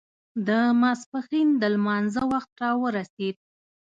د ماسپښين د لمانځه وخت را ورسېد.